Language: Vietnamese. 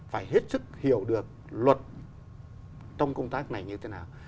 phải hết sức hiểu được luật trong công tác này như thế nào